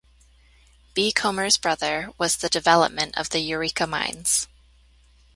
B. Comer's brother, was the development of the Eureka Mines.